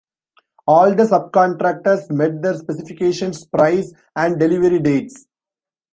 All the subcontractors met their specifications, price, and delivery dates.